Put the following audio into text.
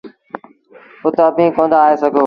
اُت اڀيٚنٚ ڪوندآ آئي سگھو۔